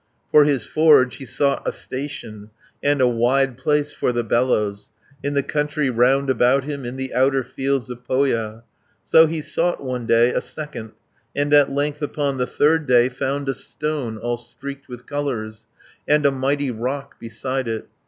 For his forge he sought a station, And a wide place for the bellows, In the country round about him, In the outer fields of Pohja. So he sought one day, a second, And at length upon the third day 300 Found a stone all streaked with colours, And a mighty rock beside it.